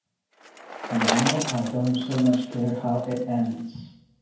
And now I don't so much care how it ends.